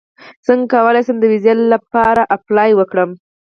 څنګه کولی شم د ویزې لپاره اپلای وکړم